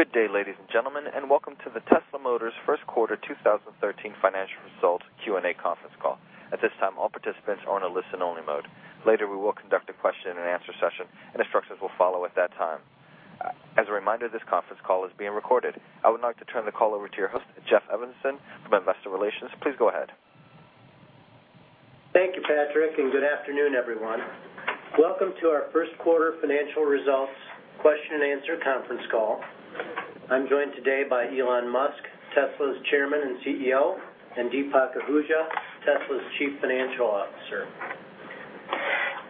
Good day, ladies and gentlemen, and welcome to the Tesla Motors first quarter 2013 financial results Q&A conference call. At this time, all participants are in a listen-only mode. Later, we will conduct a question and answer session, and instructions will follow at that time. As a reminder, this conference call is being recorded. I would now like to turn the call over to your host, Jeff Evanson from Investor Relations. Please go ahead. Thank you, Patrick, and good afternoon, everyone. Welcome to our first quarter financial results question and answer conference call. I am joined today by Elon Musk, Tesla's Chairman and CEO, and Deepak Ahuja, Tesla's Chief Financial Officer.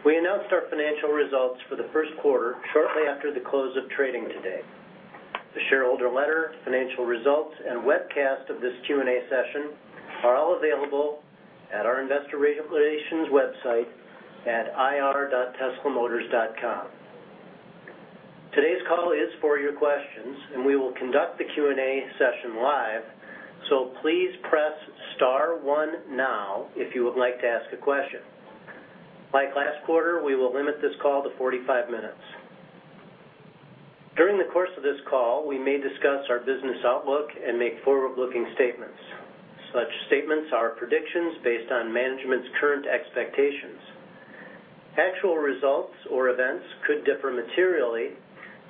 We announced our financial results for the first quarter shortly after the close of trading today. The shareholder letter, financial results, and webcast of this Q&A session are all available at our investor relations website at ir.teslamotors.com. Today's call is for your questions, and we will conduct the Q&A session live, so please press star one now if you would like to ask a question. Like last quarter, we will limit this call to 45 minutes. During the course of this call, we may discuss our business outlook and make forward-looking statements. Such statements are predictions based on management's current expectations. Actual results or events could differ materially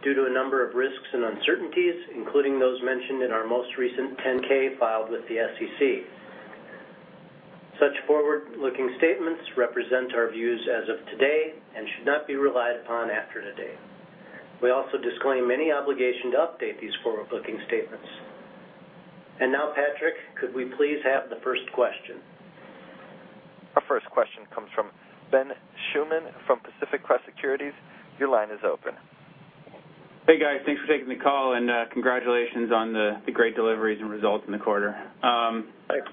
due to a number of risks and uncertainties, including those mentioned in our most recent 10-K filed with the SEC. Such forward-looking statements represent our views as of today and should not be relied upon after today. We also disclaim any obligation to update these forward-looking statements. Now, Patrick, could we please have the first question? Our first question comes from Benjamin Schuman from Pacific Crest Securities. Your line is open. Hey, guys. Thanks for taking the call. Congratulations on the great deliveries and results in the quarter. Thanks. I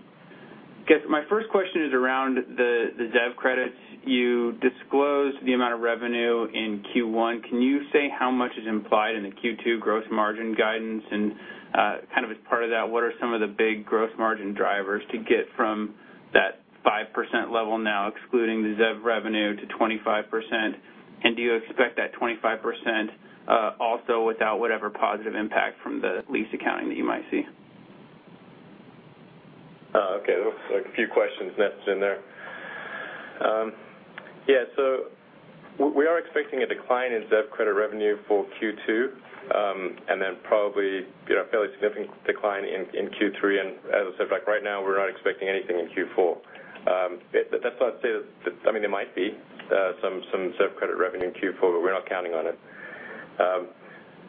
guess my first question is around the ZEV credits. You disclosed the amount of revenue in Q1. Can you say how much is implied in the Q2 gross margin guidance? As part of that, what are some of the big gross margin drivers to get from that 5% level now, excluding the ZEV revenue, to 25%? Do you expect that 25% also without whatever positive impact from the lease accounting that you might see? Okay, there was a few questions nested in there. Yeah. We are expecting a decline in ZEV credit revenue for Q2 and then probably a fairly significant decline in Q3. As I said, right now we're not expecting anything in Q4. That's not to say there might be some ZEV credit revenue in Q4, but we're not counting on it.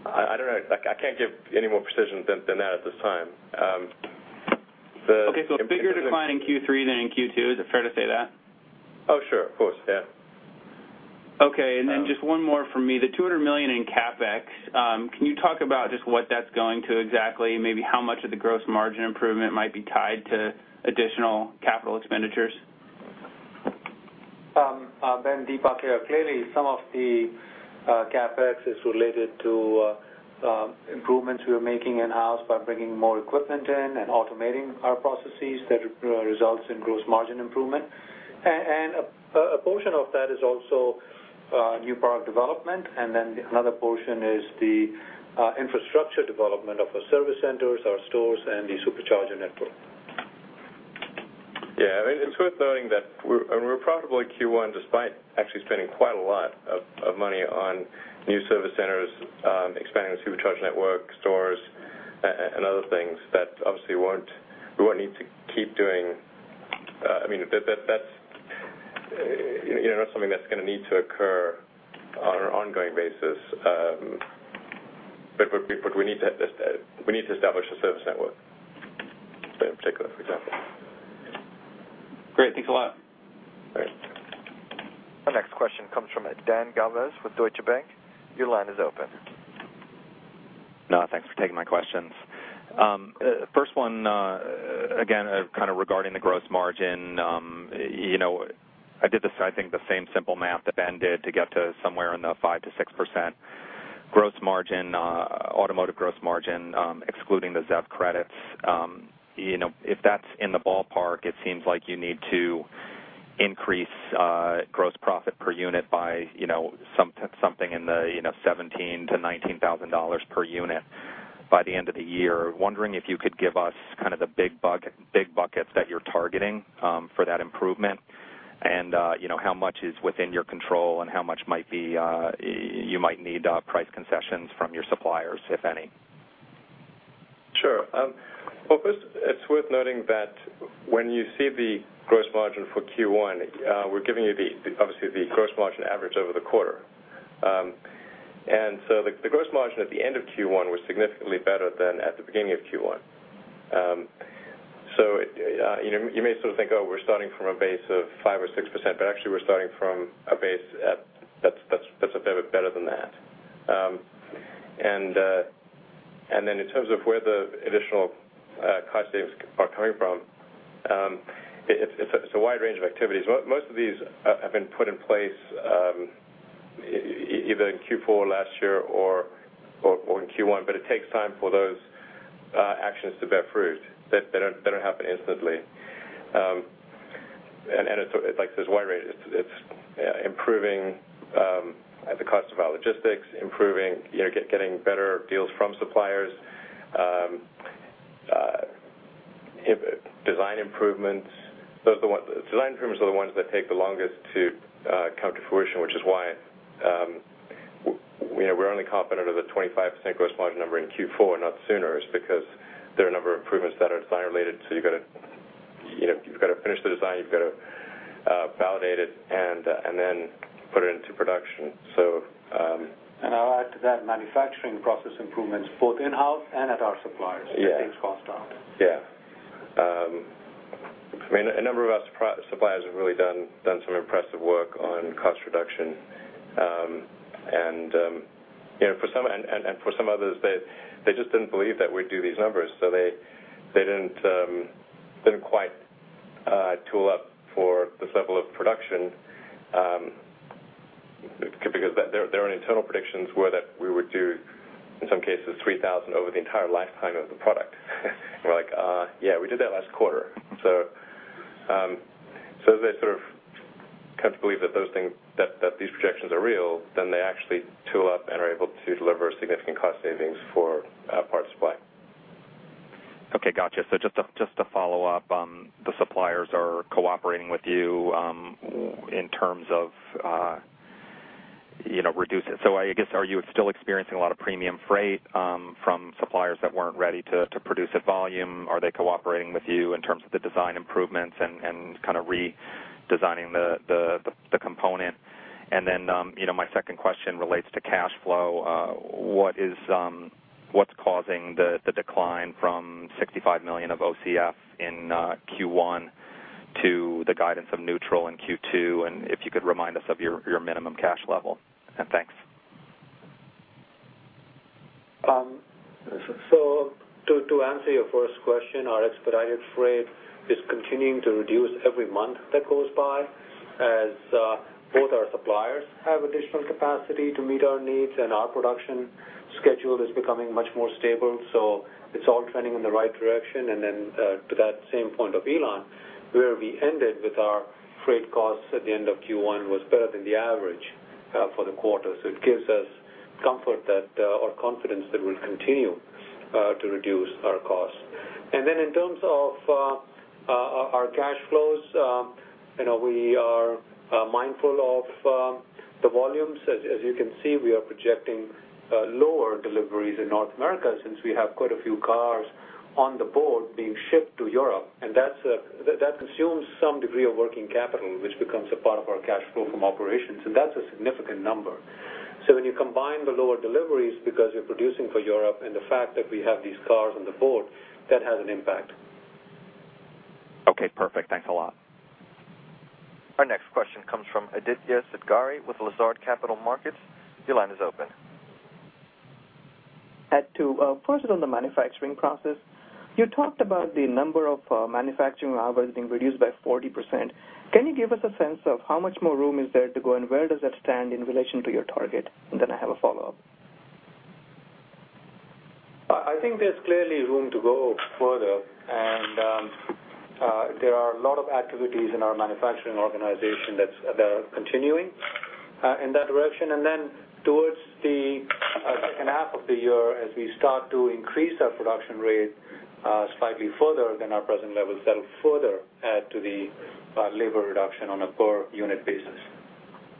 I don't know. I can't give any more precision than that at this time. Okay. A bigger decline in Q3 than in Q2. Is it fair to say that? Oh, sure. Of course. Yeah. Okay. Then just one more from me. The $200 million in CapEx, can you talk about just what that's going to exactly, maybe how much of the gross margin improvement might be tied to additional capital expenditures? Ben, Deepak here. Clearly, some of the CapEx is related to improvements we're making in-house by bringing more equipment in and automating our processes that results in gross margin improvement. A portion of that is also new product development, another portion is the infrastructure development of our service centers, our stores, and the Supercharger network. Yeah. It's worth noting that we were profitable at Q1 despite actually spending quite a lot of money on new service centers, expanding the Supercharger network, stores, and other things that obviously we won't need to keep doing. That's not something that's going to need to occur on an ongoing basis, but we need to establish a service network, in particular, for example. Great. Thanks a lot. Great. Our next question comes from Dan Galves with Deutsche Bank. Your line is open. Thanks for taking my questions. First one, again, regarding the gross margin. I did this, I think the same simple math that Ben did to get to somewhere in the 5%-6% gross margin, automotive gross margin excluding the ZEV credits. If that's in the ballpark, it seems like you need to increase gross profit per unit by something in the $17,000-$19,000 per unit by the end of the year. Wondering if you could give us the big buckets that you're targeting for that improvement and how much is within your control and how much you might need price concessions from your suppliers, if any? Sure. Well, first it's worth noting that when you see the gross margin for Q1, we're giving you obviously the gross margin average over the quarter. The gross margin at the end of Q1 was significantly better than at the beginning of Q1. You may think, oh, we're starting from a base of 5% or 6%, but actually we're starting from a base that's a fair bit better than that. In terms of where the additional cost savings are coming from, it's a wide range of activities. Most of these have been put in place either in Q4 last year or in Q1, but it takes time for those actions to bear fruit. They don't happen instantly. It's like this [Y rate], it's improving at the cost of our logistics, getting better deals from suppliers, design improvements. Design improvements are the ones that take the longest to come to fruition, which is why we're only confident of the 25% gross margin number in Q4 and not sooner is because there are a number of improvements that are design related, so you've got to finish the design, you've got to validate it, and then put it into production. I'll add to that, manufacturing process improvements both in-house and at our suppliers. Yeah to take cost out. Yeah. A number of our suppliers have really done some impressive work on cost reduction. For some others, they just didn't believe that we'd do these numbers, so they didn't quite tool up for this level of production, because their own internal predictions were that we would do, in some cases, 3,000 over the entire lifetime of the product. We're like, "Yeah, we did that last quarter." They sort of come to believe that these projections are real, then they actually tool up and are able to deliver significant cost savings for parts supply. Just to follow up, the suppliers are cooperating with you, in terms of reducing. I guess, are you still experiencing a lot of premium freight from suppliers that weren't ready to produce at volume? Are they cooperating with you in terms of the design improvements and kind of redesigning the component? My second question relates to cash flow. What's causing the decline from $65 million of OCF in Q1 to the guidance of neutral in Q2? If you could remind us of your minimum cash level. Thanks. To answer your first question, our expedited freight is continuing to reduce every month that goes by, as both our suppliers have additional capacity to meet our needs and our production schedule is becoming much more stable. It's all trending in the right direction. To that same point of Elon, where we ended with our freight costs at the end of Q1 was better than the average for the quarter. It gives us comfort that, or confidence that we'll continue to reduce our costs. In terms of our cash flows, we are mindful of the volumes. As you can see, we are projecting lower deliveries in North America since we have quite a few cars on the board being shipped to Europe. That consumes some degree of working capital, which becomes a part of our cash flow from operations. That's a significant number. When you combine the lower deliveries, because you're producing for Europe, and the fact that we have these cars on the board, that has an impact. Okay, perfect. Thanks a lot. Our next question comes from Aditya Satghare with Lazard Capital Markets. Your line is open. [Aju], first on the manufacturing process. You talked about the number of manufacturing hours being reduced by 40%. Can you give us a sense of how much more room is there to go, and where does that stand in relation to your target? Then I have a follow-up. I think there's clearly room to go further. There are a lot of activities in our manufacturing organization that are continuing in that direction. Then towards the second half of the year, as we start to increase our production rate slightly further than our present levels, that'll further add to the labor reduction on a per unit basis.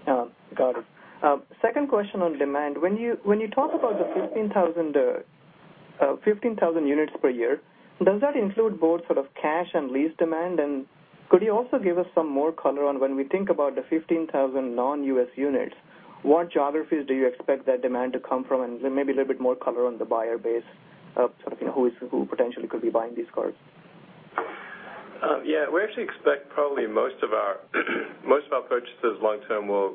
Got it. Second question on demand. When you talk about the 15,000 units per year, does that include both sort of cash and lease demand? Could you also give us some more color on when we think about the 15,000 non-U.S. units, what geographies do you expect that demand to come from? Maybe a little bit more color on the buyer base of sort of who potentially could be buying these cars. Yeah. We actually expect probably most of our purchases long term will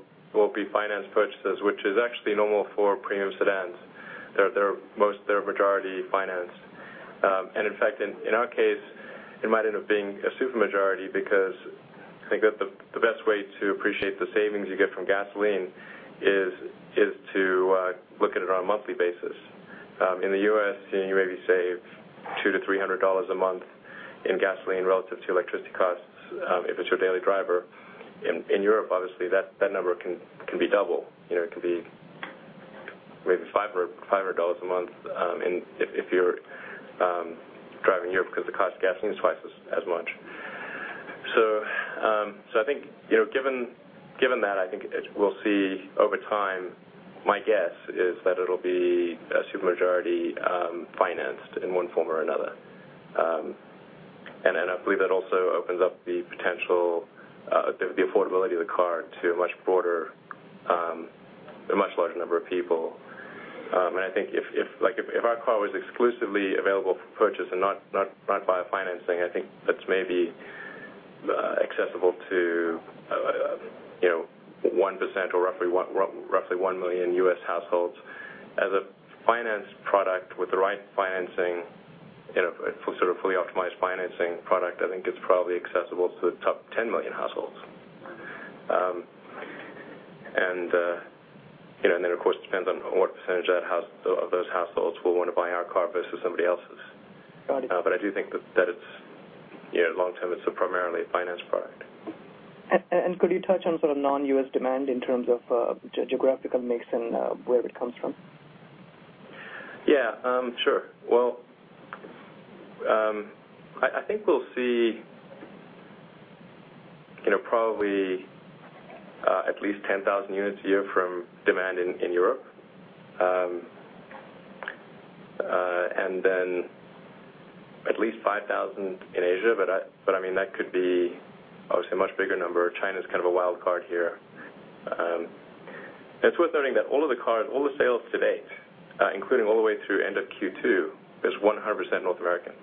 be financed purchases, which is actually normal for premium sedans. They're majority financed. In fact, in our case, it might end up being a super majority because I think that the best way to appreciate the savings you get from gasoline is to look at it on a monthly basis. In the U.S., you maybe save $200-$300 a month in gasoline relative to electricity costs, if it's your daily driver. In Europe, obviously, that number can be double. It can be maybe $500 a month if you're driving in Europe, because the cost of gasoline is twice as much. I think, given that, I think we'll see over time, my guess is that it'll be a super majority financed in one form or another. I believe that also opens up the potential, the affordability of the car to a much broader, a much larger number of people. I think if our car was exclusively available for purchase and not by financing, I think that's maybe accessible to 1% or roughly 1 million U.S. households. As a financed product with the right financing, sort of fully optimized financing product, I think it's probably accessible to the top 10 million households. Of course, it depends on what percentage of those households will want to buy our car versus somebody else's. Got it. I do think that long-term, it's primarily a finance product. Could you touch on non-U.S. demand in terms of geographical mix and where it comes from? Yeah, sure. Well, I think we'll see probably at least 10,000 units a year from demand in Europe. Then at least 5,000 in Asia, but that could be, obviously, a much bigger number. China's kind of a wild card here. It's worth noting that all of the cars, all the sales to date, including all the way through end of Q2, is 100% North American.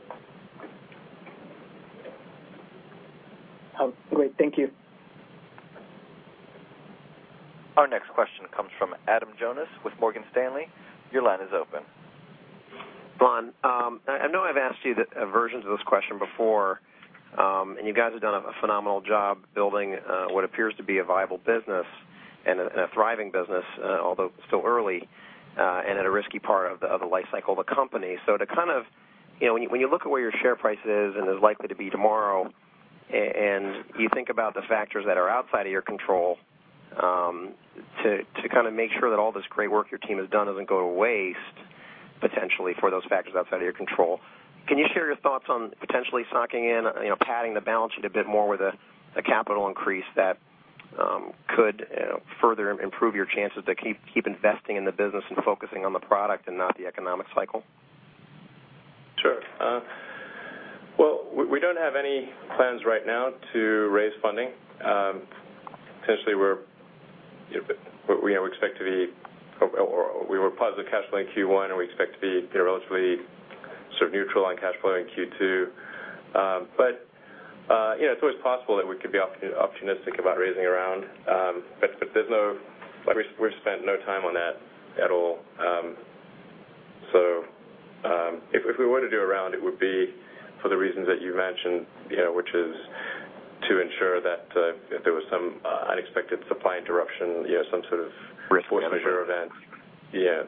Great. Thank you. Our next question comes from Adam Jonas with Morgan Stanley. Your line is open. Elon, I know I've asked you versions of this question before, you guys have done a phenomenal job building what appears to be a viable business and a thriving business, although still early, and at a risky part of the life cycle of the company. When you look at where your share price is and is likely to be tomorrow, you think about the factors that are outside of your control, to make sure that all this great work your team has done doesn't go to waste, potentially, for those factors outside of your control, can you share your thoughts on potentially socking in, padding the balance sheet a bit more with a capital increase that could further improve your chances to keep investing in the business and focusing on the product and not the economic cycle? Sure. Well, we don't have any plans right now to raise funding. Potentially, we were positive cash flow in Q1, and we expect to be relatively neutral on cash flow in Q2. It's always possible that we could be opportunistic about raising a round. We've spent no time on that at all. If we were to do a round, it would be for the reasons that you mentioned, which is to ensure that if there was some unexpected supply interruption, some sort of- Risk measure force majeure event. Yeah.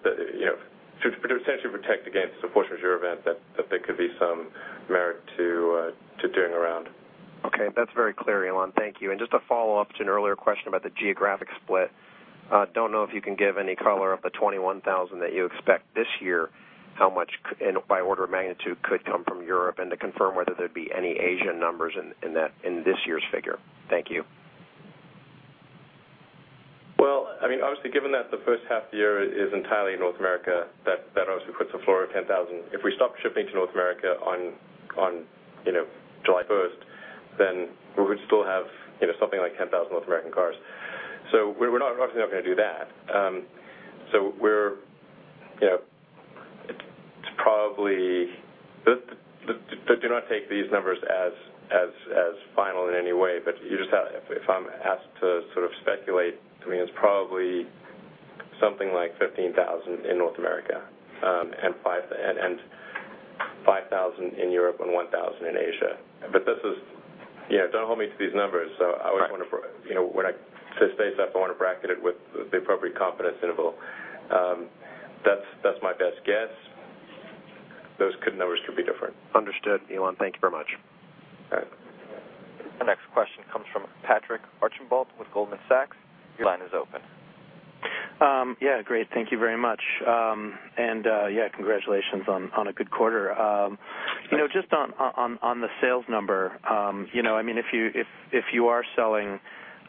To essentially protect against a force majeure event, that there could be some merit to doing a round. Okay. That's very clear, Elon. Thank you. Just a follow-up to an earlier question about the geographic split. Don't know if you can give any color of the 21,000 that you expect this year, how much, by order of magnitude, could come from Europe, and to confirm whether there'd be any Asian numbers in this year's figure. Thank you. Well, obviously, given that the first half of the year is entirely North America, that obviously puts a floor of 10,000. If we stop shipping to North America on July 1st, we would still have something like 10,000 North American cars. Do not take these numbers as final in any way, if I'm asked to speculate, to me, it's probably something like 15,000 in North America, 5,000 in Europe and 1,000 in Asia. Don't hold me to these numbers. Right. When I say stuff, I want to bracket it with the appropriate confidence interval. That's my best guess. Those numbers could be different. Understood, Elon. Thank you very much. All right. The next question comes from Patrick Archambault with Goldman Sachs. Your line is open. Great. Thank you very much. Congratulations on a good quarter. Thanks. Just on the sales number, if you are selling,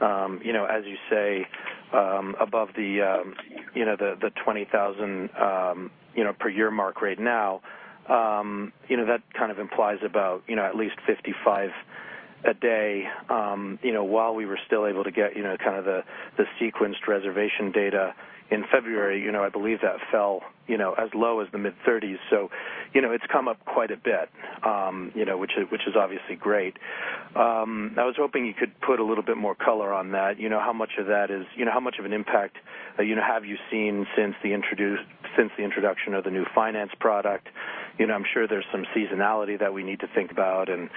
as you say, above the 20,000 per year mark right now, that kind of implies about at least 55 a day. While we were still able to get the sequenced reservation data in February, I believe that fell as low as the mid-30s. It's come up quite a bit, which is obviously great. I was hoping you could put a little bit more color on that. How much of an impact have you seen since the introduction of the new finance product? I'm sure there's some seasonality that we need to think about, and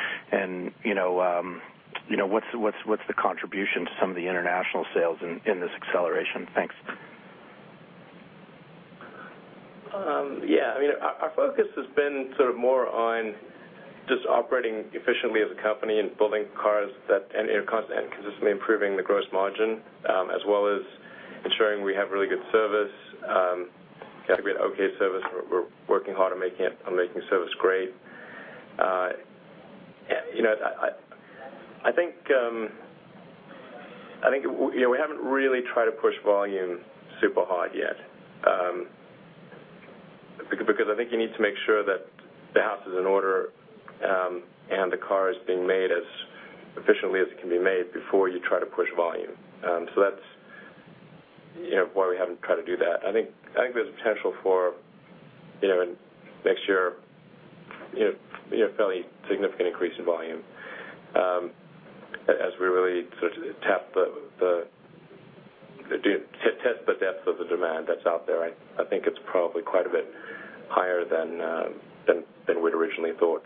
what's the contribution to some of the international sales in this acceleration? Thanks. Yeah. Our focus has been more on just operating efficiently as a company and building cars and consistently improving the gross margin, as well as ensuring we have really good service. We had an okay service. We're working hard on making service great. I think we haven't really tried to push volume super hard yet. I think you need to make sure that the house is in order and the car is being made as efficiently as it can be made before you try to push volume. That's why we haven't tried to do that. I think there's potential for, in next year, a fairly significant increase in volume as we really test the depth of the demand that's out there. I think it's probably quite a bit higher than we'd originally thought.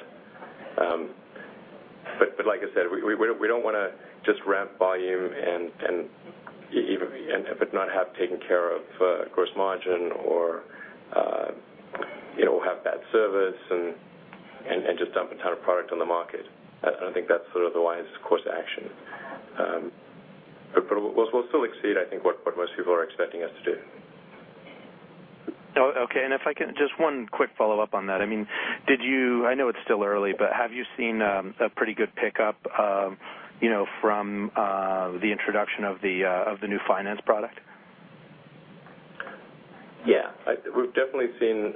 We don't want to just ramp volume and not have taken care of gross margin or have bad service and just dump a ton of product on the market. I don't think that's the wisest course of action. We'll still exceed, I think, what most people are expecting us to do. Okay. If I can, just one quick follow-up on that. I know it's still early, but have you seen a pretty good pickup from the introduction of the new finance product? Yeah. We've definitely seen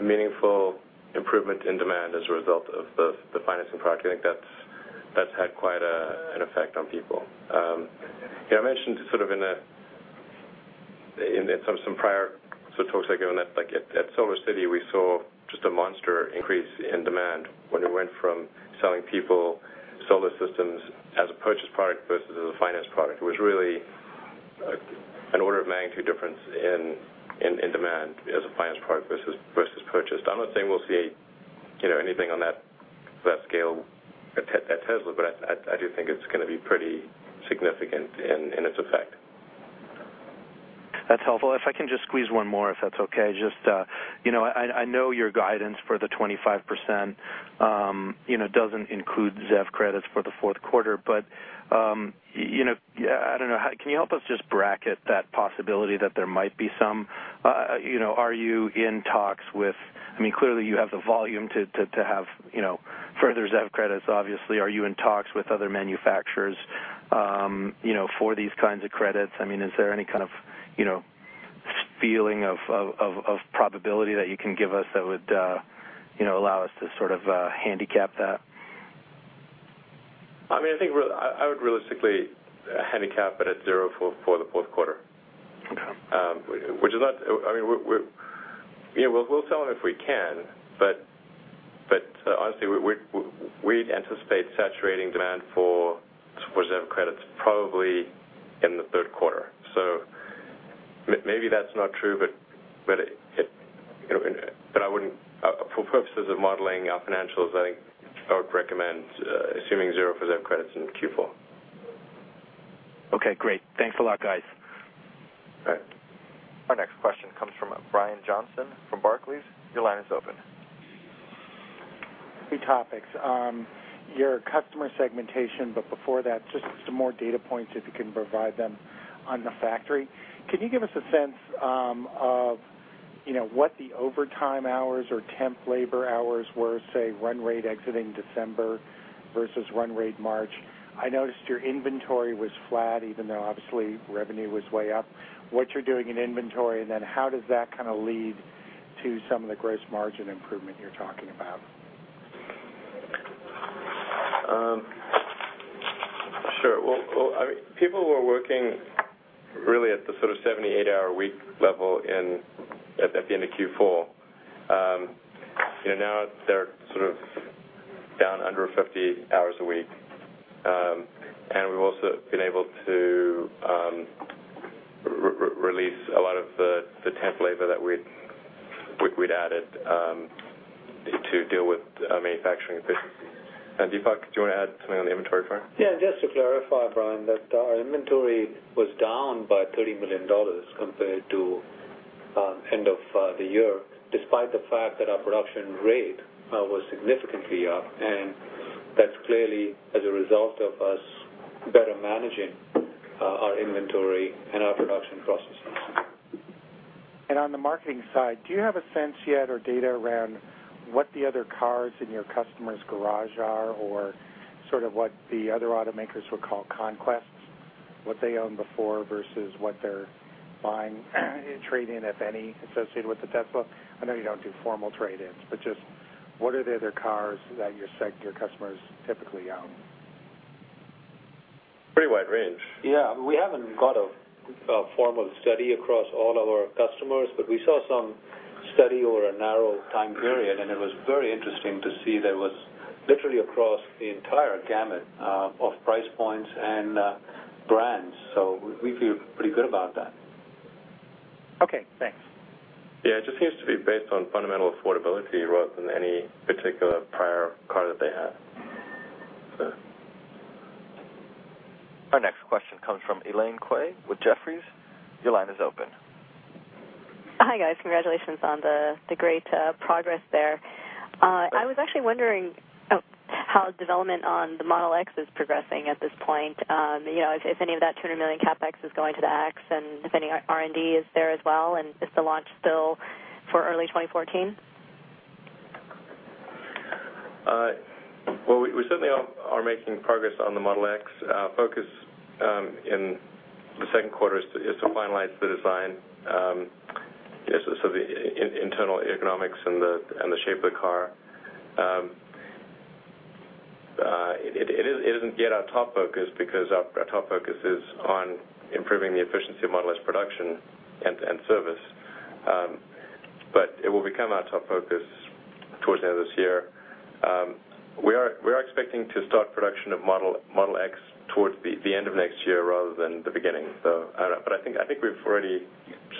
a meaningful improvement in demand as a result of the financing product. I think that's had quite an effect on people. I mentioned sort of in some prior talks I gave, at SolarCity, we saw just a monster increase in demand when we went from selling people solar systems as a purchase product versus as a finance product. It was really an order of magnitude difference in demand as a finance product versus purchased. I'm not saying we'll see anything on that scale at Tesla, but I do think it's going to be pretty significant in its effect. That's helpful. If I can just squeeze one more, if that's okay. I know your guidance for the 25% doesn't include ZEV credits for the fourth quarter, but can you help us just bracket that possibility that there might be some? Clearly you have the volume to have further ZEV credits, obviously. Are you in talks with other manufacturers for these kinds of credits? Is there any kind of feeling of probability that you can give us that would allow us to sort of handicap that? I think I would realistically handicap it at zero for the fourth quarter. Okay. We'll sell them if we can. Honestly, we'd anticipate saturating demand for ZEV credits probably in the third quarter. Maybe that's not true, but for purposes of modeling our financials, I think I would recommend assuming zero for ZEV credits in Q4. Okay, great. Thanks a lot, guys. All right. Our next question comes from Brian Johnson from Barclays. Your line is open. Two topics. Your customer segmentation. Before that, just some more data points if you can provide them on the factory. Can you give us a sense of what the overtime hours or temp labor hours were, say, run rate exiting December versus run rate March? I noticed your inventory was flat, even though obviously revenue was way up. How does that kind of lead to some of the gross margin improvement you're talking about? Sure. People were working really at the sort of 78-hour-a-week level at the end of Q4. Now they're sort of down under 50 hours a week. We've also been able to release a lot of the temp labor that we'd added to deal with manufacturing efficiencies. Deepak, do you want to add something on the inventory front? Yeah, just to clarify, Brian, that our inventory was down by $30 million compared to end of the year, despite the fact that our production rate was significantly up. That's clearly as a result of us better managing our inventory and our production processes. On the marketing side, do you have a sense yet or data around what the other cars in your customer's garage are, or sort of what the other automakers would call conquests, what they owned before versus what they're buying, trade-in, if any, associated with the Tesla? I know you don't do formal trade-ins, but just what are the other cars that your customers typically own? Pretty wide range. Yeah, we haven't got a formal study across all our customers, but we saw some study over a narrow time period, and it was very interesting to see there was literally across the entire gamut of price points and brands. We feel pretty good about that. Okay, thanks. Yeah, it just seems to be based on fundamental affordability rather than any particular prior car that they had. Our next question comes from Elaine Kwei with Jefferies. Your line is open. Hi, guys. Congratulations on the great progress there. I was actually wondering how development on the Model X is progressing at this point. If any of that $200 million CapEx is going to the X and if any R&D is there as well, and is the launch still for early 2014? Well, we certainly are making progress on the Model X. Our focus in the second quarter is to finalize the design, so the internal ergonomics and the shape of the car. It isn't yet our top focus because our top focus is on improving the efficiency of Model S production and service. It will become our top focus towards the end of this year. We are expecting to start production of Model X towards the end of next year rather than the beginning. I think we've already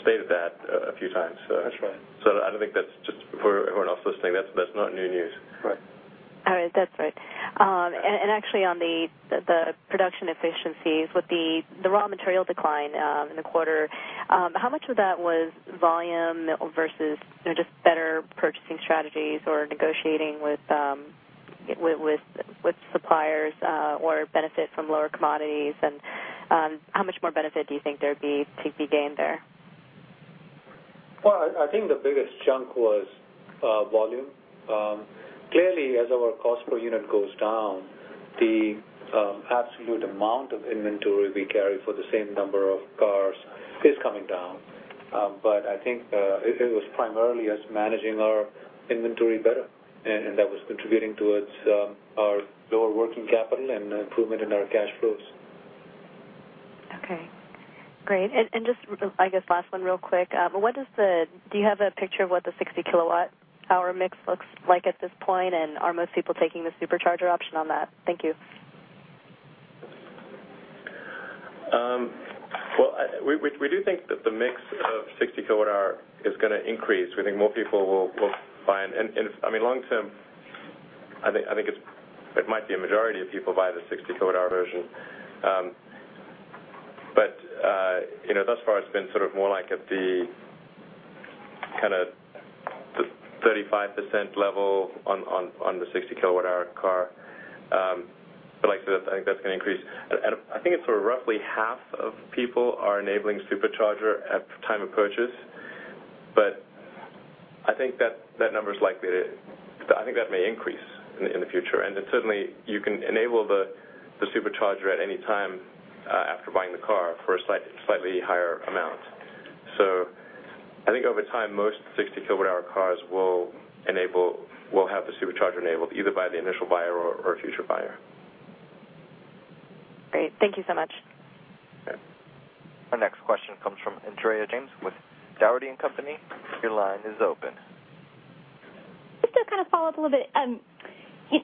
stated that a few times. That's right. I don't think that's just for everyone else listening, that's not new news. Right. That's right. Actually on the production efficiencies with the raw material decline in the quarter, how much of that was volume versus just better purchasing strategies or negotiating with suppliers or benefit from lower commodities, and how much more benefit do you think there'd be to be gained there? I think the biggest chunk was volume. Clearly, as our cost per unit goes down, the absolute amount of inventory we carry for the same number of cars is coming down. I think it was primarily us managing our inventory better, and that was contributing towards our lower working capital and improvement in our cash flows. Okay, great. Just, I guess, last one real quick. Do you have a picture of what the 60 kilowatt hour mix looks like at this point, and are most people taking the Supercharger option on that? Thank you. Well, we do think that the mix of 60 kilowatt hour is going to increase. We think more people will buy it and long-term, I think it might be a majority of people buy the 60 kilowatt hour version. Thus far it's been more like at the kind of the 35% level on the 60 kilowatt hour car. Like I said, I think that's going to increase. I think it's roughly half of people are enabling Supercharger at the time of purchase, but I think that may increase in the future. Certainly, you can enable the Supercharger at any time after buying the car for a slightly higher amount. I think over time, most 60 kilowatt hour cars will have the Supercharger enabled either by the initial buyer or a future buyer. Great. Thank you so much. Okay. Our next question comes from Andrea James with Dougherty & Company. Your line is open. Just to kind of follow up a little bit.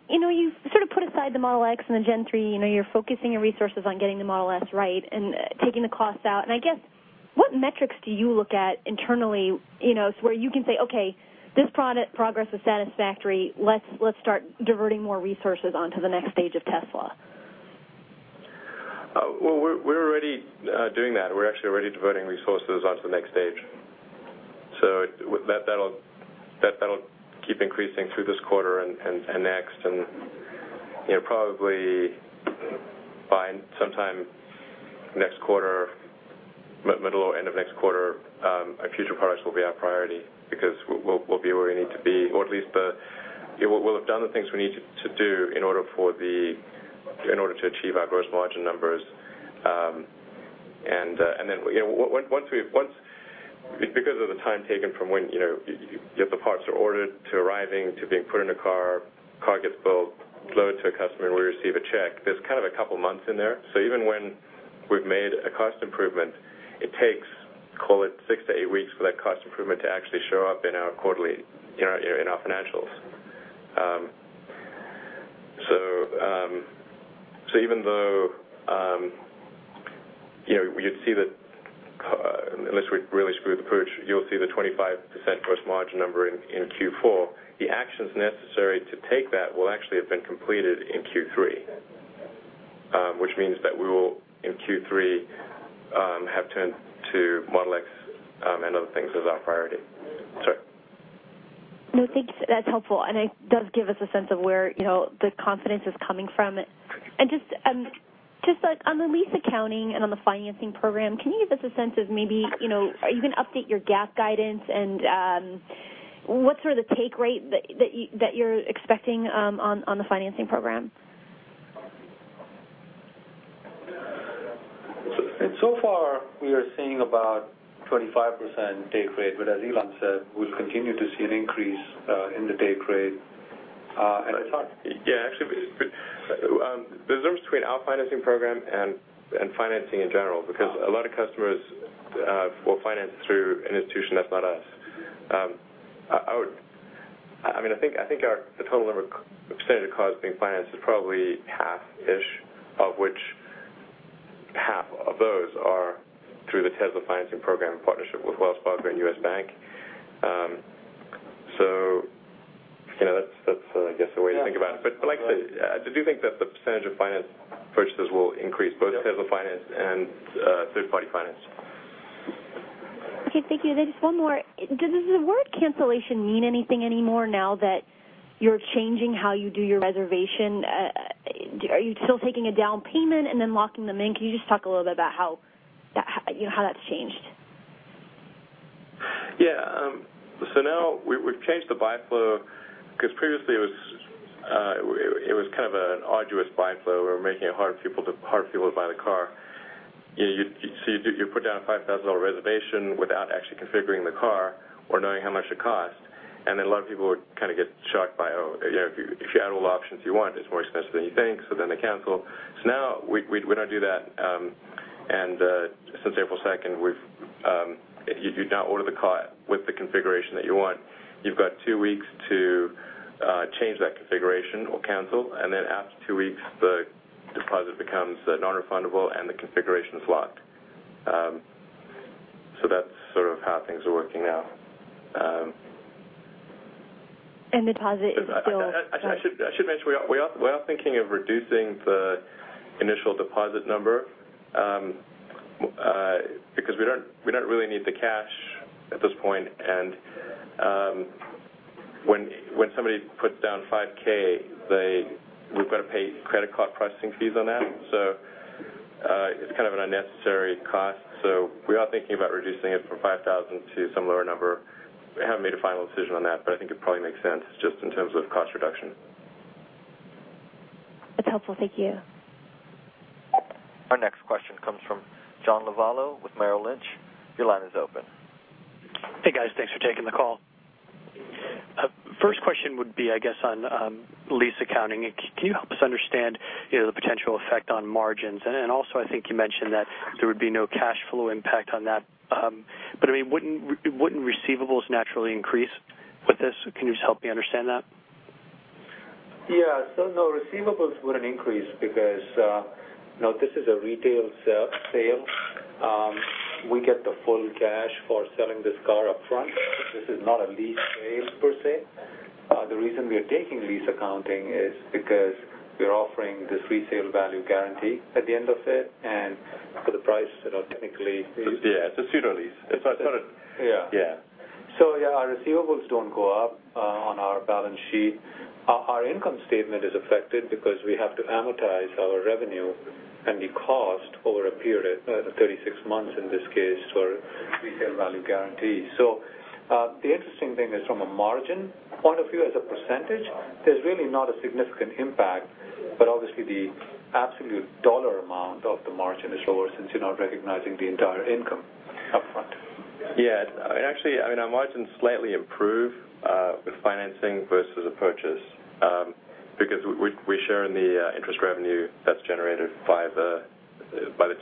You've sort of put aside the Model X and the Gen 3, you're focusing your resources on getting the Model S right and taking the cost out. I guess, what metrics do you look at internally, where you can say, okay, this progress is satisfactory, let's start diverting more resources onto the next stage of Tesla? Well, we're already doing that. We're actually already diverting resources onto the next stage. That'll keep increasing through this quarter and next, and probably by sometime next quarter, middle or end of next quarter, our future products will be our priority because we'll be where we need to be or at least we'll have done the things we need to do in order to achieve our gross margin numbers. Then, because of the time taken from when the parts are ordered to arriving to being put in a car gets built, delivered to a customer, we receive a check. There's kind of a couple of months in there. Even when we've made a cost improvement, it takes, call it six to eight weeks for that cost improvement to actually show up in our financials. Even though you'd see that, unless we really screw the pooch, you'll see the 25% gross margin number in Q4, the actions necessary to take that will actually have been completed in Q3. Which means that we will, in Q3, have turned to Model X and other things as our priority. Sorry. No, thank you. That's helpful, it does give us a sense of where the confidence is coming from. Just on the lease accounting and on the financing program, can you give us a sense of maybe, are you going to update your GAAP guidance and what's the take rate that you're expecting on the financing program? We are seeing about 25% take rate, but as Elon said, we'll continue to see an increase in the take rate at a time. Actually, there's a difference between our financing program and financing in general because a lot of customers will finance through an institution that's not us. I think the total number, percentage of cars being financed is probably half-ish, of which half of those are through the Tesla financing program in partnership with Wells Fargo and U.S. Bank. That's, I guess, the way to think about it. Like I said, I do think that the percentage of financed purchases will increase both Tesla finance and third-party finance. Okay, thank you. Just one more. Does the word cancellation mean anything anymore now that you're changing how you do your reservation? Are you still taking a down payment and then locking them in? Can you just talk a little bit about how that's changed? Yeah. Now we've changed the buy flow because previously it was kind of an arduous buy flow. We were making it hard for people to buy the car. You put down a $5,000 reservation without actually configuring the car or knowing how much it costs, a lot of people would kind of get shocked by, oh, if you add all the options you want, it's more expensive than you think, they cancel. Now we don't do that. Since April 2nd, if you now order the car with the configuration that you want, you've got two weeks to change that configuration or cancel, after two weeks, the deposit becomes non-refundable and the configuration's locked. That's sort of how things are working now. deposit is still- I should mention, we are thinking of reducing the initial deposit number, because we don't really need the cash at this point. When somebody puts down $5,000, we've got to pay credit card processing fees on that. It's kind of an unnecessary cost. We are thinking about reducing it from 5,000 to some lower number. We haven't made a final decision on that, but I think it probably makes sense just in terms of cost reduction. That's helpful. Thank you. Our next question comes from John Lovallo with Merrill Lynch. Your line is open. Hey, guys. Thanks for taking the call. First question would be, I guess, on lease accounting. Can you help us understand the potential effect on margins? I think you mentioned that there would be no cash flow impact on that. Wouldn't receivables naturally increase with this? Can you just help me understand that? Yeah. No receivables would increase because this is a retail sale. We get the full cash for selling this car up front. This is not a lease sale per se. The reason we are taking lease accounting is because we're offering this resale value guarantee at the end of it. Yeah. It's a pseudo lease. Yeah. Yeah. Yeah, our receivables don't go up on our balance sheet. Our income statement is affected because we have to amortize our revenue and the cost over a period, 36 months in this case, for resale value guarantee. The interesting thing is from a margin point of view, as a percentage, there's really not a significant impact, but obviously the absolute dollar amount of the margin is lower since you're not recognizing the entire income up front. Yeah. Actually, our margins slightly improve with financing versus a purchase, because we share in the interest revenue that's generated by the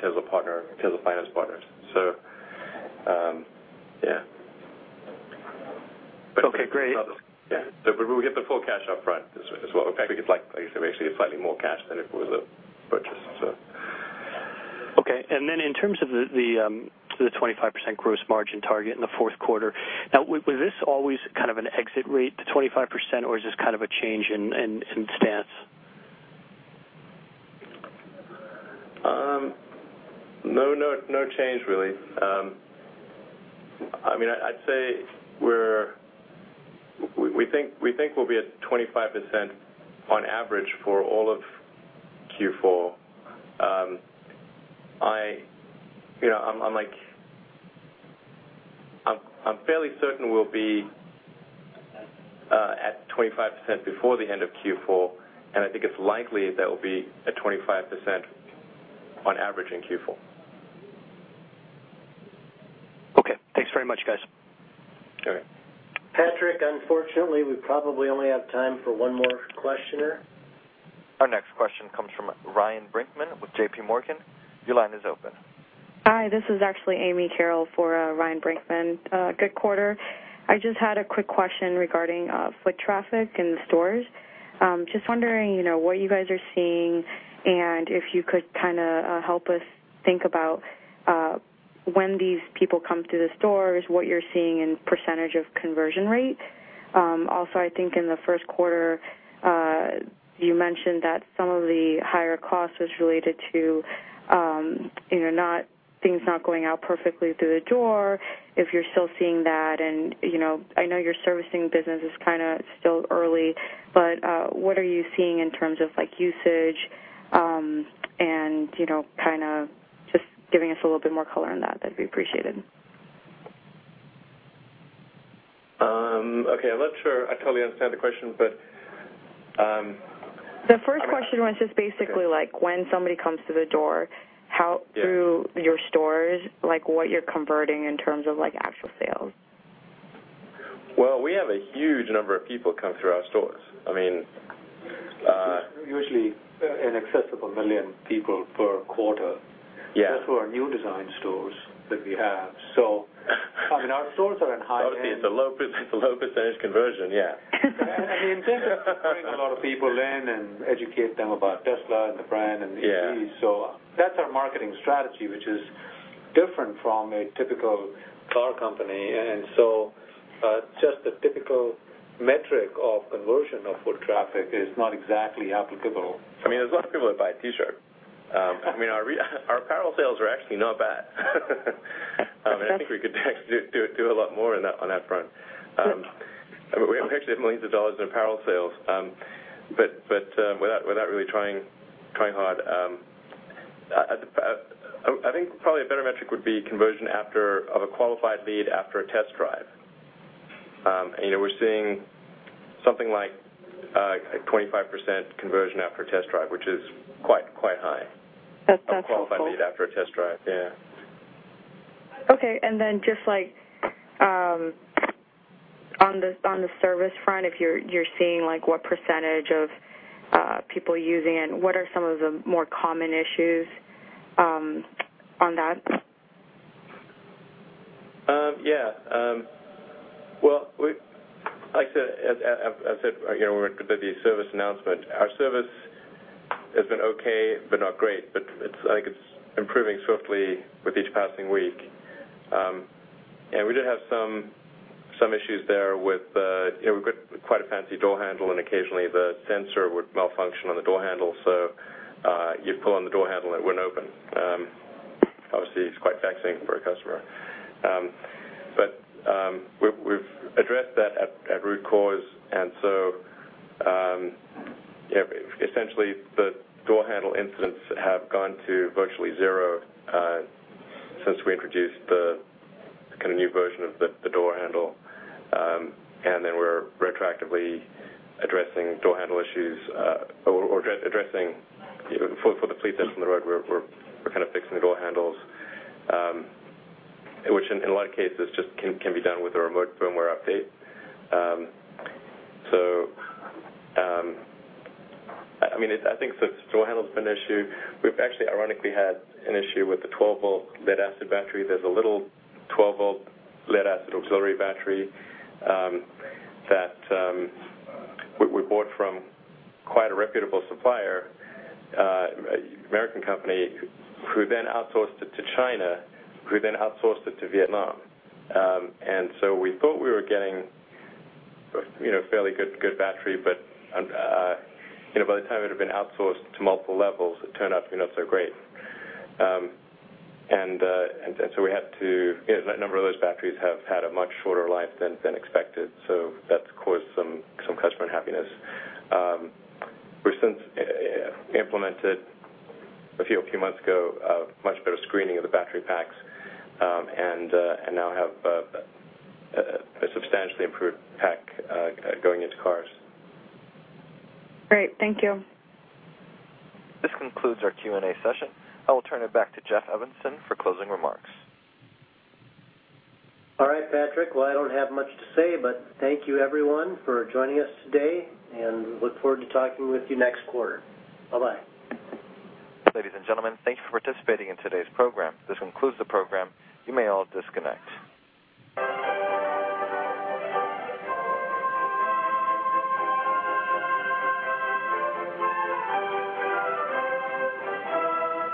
Tesla finance partners. Yeah. Okay, great. Yeah. We get the full cash up front as well. Okay because likely, there'll actually be slightly more cash than if it was a purchase. Okay. In terms of the 25% gross margin target in the fourth quarter, was this always kind of an exit rate to 25%, or is this kind of a change in stance? No change, really. I'd say we think we'll be at 25% on average for all of Q4. I'm fairly certain we'll be at 25% before the end of Q4, and I think it's likely that we'll be at 25% on average in Q4. Okay. Thanks very much, guys. Okay. Patrick, unfortunately, we probably only have time for one more questioner. Our next question comes from Ryan Brinkman with J.P. Morgan. Your line is open. Hi, this is actually Amy Carroll for Ryan Brinkman. Good quarter. I just had a quick question regarding foot traffic in the stores. Just wondering what you guys are seeing and if you could kind of help us think about when these people come through the stores, what you're seeing in percentage of conversion rate. Also, I think in the first quarter, you mentioned that some of the higher cost was related to things not going out perfectly through the door, if you're still seeing that and I know your servicing business is still early, but, what are you seeing in terms of usage and just giving us a little bit more color on that'd be appreciated. Okay. I'm not sure I totally understand the question. The first question was just basically when somebody comes through the door. Yeah through your stores, what you're converting in terms of actual sales. Well, we have a huge number of people come through our stores. Usually in excess of a million people per quarter. Yeah. That's for our new design stores that we have. Our stores are in high-end. It's a low % conversion, yeah. These are to bring a lot of people in and educate them about Tesla and the brand and the EVs. Yeah. That's our marketing strategy, which is different from a typical car company, just the typical metric of conversion of foot traffic is not exactly applicable. There's a lot of people that buy a T-shirt. Our apparel sales are actually not bad. I think we could actually do a lot more on that front. We actually have millions of dollars in apparel sales, without really trying hard. I think probably a better metric would be conversion of a qualified lead after a test drive. We're seeing something like 25% conversion after a test drive, which is quite high. That's helpful. Of qualified lead after a test drive. Yeah. Okay. Then just on the service front, if you're seeing what % of people using it and what are some of the more common issues on that? Yeah. Like I said, we're going to do the service announcement. Our service has been okay, but not great. I think it's improving swiftly with each passing week. We did have some issues there with, we've got quite a fancy door handle, and occasionally the sensor would malfunction on the door handle, so you'd pull on the door handle, and it wouldn't open. Obviously, it's quite vexing for a customer. We've addressed that at root cause, essentially the door handle incidents have gone to virtually zero since we introduced the new version of the door handle. Then we're retroactively addressing door handle issues, or addressing for the fleet that's on the road, we're fixing the door handles, which in a lot of cases just can be done with a remote firmware update. I think the door handle's been an issue. We've actually, ironically, had an issue with the 12-volt lead-acid battery. There's a little 12-volt lead-acid auxiliary battery that we bought from quite a reputable supplier, an American company, who then outsourced it to China, who then outsourced it to Vietnam. We thought we were getting a fairly good battery, but by the time it had been outsourced to multiple levels, it turned out not so great. A number of those batteries have had a much shorter life than expected, so that's caused some customer unhappiness. We've since implemented, a few months ago, a much better screening of the battery packs, and now have a substantially improved pack going into cars. Great. Thank you. This concludes our Q&A session. I will turn it back to Jeff Evanson for closing remarks. All right, Patrick. Well, I don't have much to say, but thank you everyone for joining us today, and we look forward to talking with you next quarter. Bye-bye. Ladies and gentlemen, thank you for participating in today's program. This concludes the program. You may all disconnect.